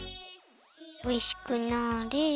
おいしくなれ。